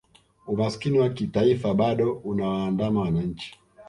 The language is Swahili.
umasikini wa kitaifa bado unawaandama wananchi